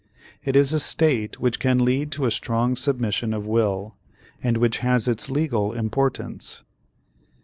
It is a state which can lead to a strong submission of will and which has its legal importance.